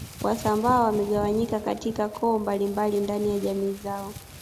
Wasambaa wamegawanyika katika koo mbalimbali ndani ya jamii zao